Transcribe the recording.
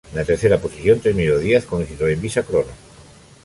En la tercera posición terminó Díaz con un Citroën Visa Crono.